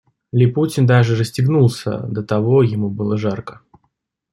Липутин даже расстегнулся, до того ему было жарко.